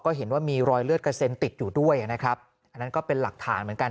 ก็เห็นว่ามีรอยเลือดกระเซ็นติดอยู่ด้วยนะครับอันนั้นก็เป็นหลักฐานเหมือนกัน